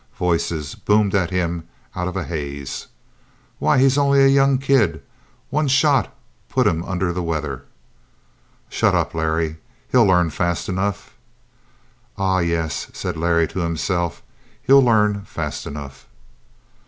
Voices boomed at him out of a haze. "Why, he's only a young kid. One shot put him under the weather." "Shut up, Larry. He'll learn fast enough." "Ah, yes," said Larry to himself, "he'll learn fast enough!"